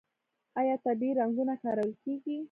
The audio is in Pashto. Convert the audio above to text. آیا طبیعي رنګونه کارول کیږي؟